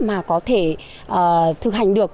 mà có thể thực hành được